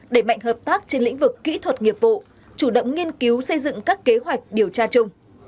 đẩy mạnh hợp tác trên lĩnh vực kỹ thuật nghiệp vụ chủ động nghiên cứu xây dựng các kế hoạch điều tra chung